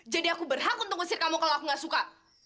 jadi aku berhak untuk ngusir kamu kalau aku gak suka